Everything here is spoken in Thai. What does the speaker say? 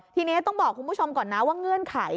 ทีนี้ต้องบอกคุณผู้ชมก่อนนะว่าเงื่อนไข